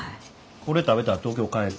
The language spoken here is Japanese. これ食べたら東京帰る。